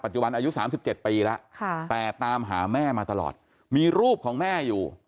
จุบันอายุ๓๗ปีแล้วแต่ตามหาแม่มาตลอดมีรูปของแม่อยู่